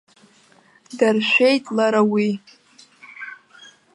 Даршәеит лара уи.